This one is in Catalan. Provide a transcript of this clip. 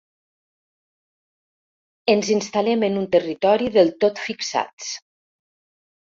Ens instal·lem en un territori del tot fixats.